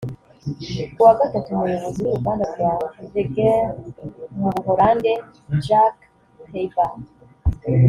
Kuwa Gatatu Umuyobozi w’uruganda rwa Veghel mu Buholandi Jack Tabbers